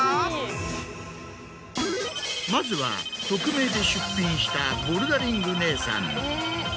まずは匿名で出品した「ボルダリング姉さん」。